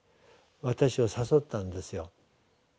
私を誘ったんですよ。